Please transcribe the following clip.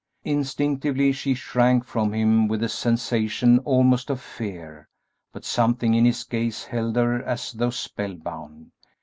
Instinctively she shrank from him with a sensation almost of fear, but something in his gaze held her as though spell bound.